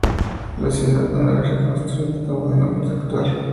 La ciudad, una vez reconstruida, tomó el nombre actual.